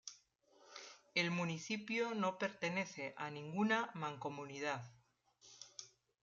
El municipio no pertenece a ninguna mancomunidad.